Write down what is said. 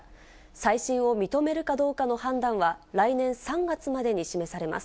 再審を認めるかどうかの判断は来年３月までに示されます。